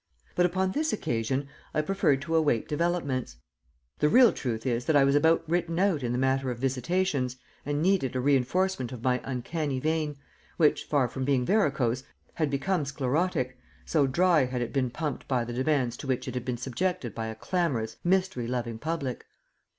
But upon this occasion I preferred to await developments. The real truth is that I was about written out in the matter of visitations, and needed a reinforcement of my uncanny vein, which, far from being varicose, had become sclerotic, so dry had it been pumped by the demands to which it had been subjected by a clamorous, mystery loving public.